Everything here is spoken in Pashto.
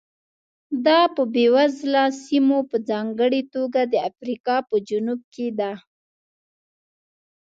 دا په بېوزله سیمو په ځانګړې توګه د افریقا په جنوب کې ده.